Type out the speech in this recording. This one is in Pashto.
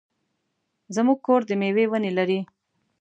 زمونږ کور د مېوې ونې لري.